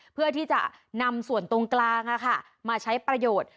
เพื่อที่จะนำส่วนตรงกลางมาใช้ประโยชน์